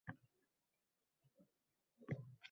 Marmar toshga o’yilgan kabi